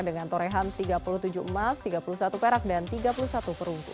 dengan torehan tiga puluh tujuh emas tiga puluh satu perak dan tiga puluh satu perunggu